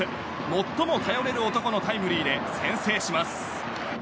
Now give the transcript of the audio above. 最も頼れる男のタイムリーで先制します。